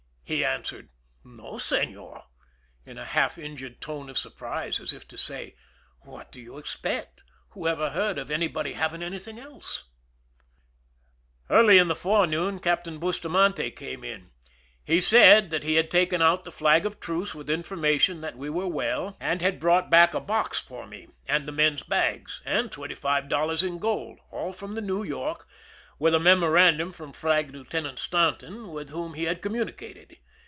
He answered, "No, senor," in a half injured tone of surprise, as if to say, "What do you expect? Who ever heard of anybody having anything else ?" Early in the forenoon Captain Bustamante came. He said that he had taken out the flag of truce with information that we were well, and had brought 178 IMPRISONMENT IN MOREO CASTLE back a box for me, and the men's bags^ and twenty five dollars in gold,— all from the New ZorZ;,— with a memorandum from Flag Lieutenant Staunton, with whom he had communicated.